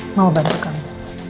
mau bantu kamu